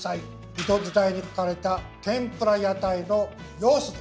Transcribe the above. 江戸時代に描かれた天ぷら屋台の様子です。